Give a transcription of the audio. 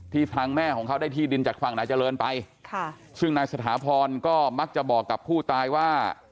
ทางแม่ของเขาได้ที่ดินจากฝั่งนายเจริญไปค่ะซึ่งนายสถาพรก็มักจะบอกกับผู้ตายว่า